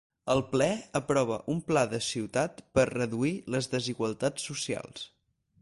El Ple aprova un pla de ciutat per reduir les desigualtats socials.